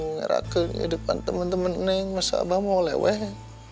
ngeraken depan temen temen neng masa abah mau leweh